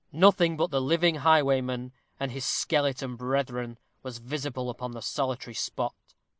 Nothing but the living highwayman and his skeleton brethren was visible upon the solitary spot.